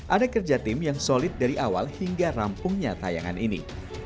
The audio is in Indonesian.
ada kerja tim yang solid dari awal hingga rampungnya tayangan ini